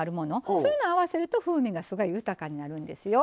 そういうの合わせると風味がすごい豊かになるんですよ。